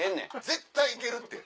絶対いけるって。